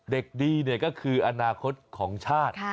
เด็กดีก็คืออนาคตของชาติ